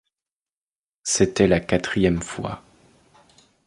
C’était la quatrième fois.